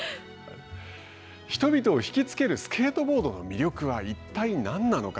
人々をひきつけるスケートボードの魅力は一体なんなのか。